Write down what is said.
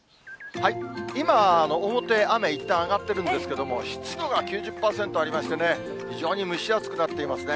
今、表、雨、いったん上がってるんですけども、湿度が９０％ありましてね、非常に蒸し暑くなっていますね。